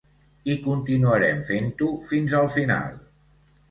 I continuarem fent-ho, fins al final.